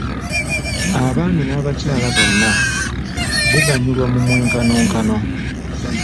Abaami n'abakyala bonna buganyulwa mu mwenkanonkano.